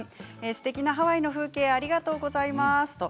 すてきなハワイの風景ありがとうございました。